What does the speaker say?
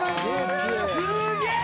すげえ！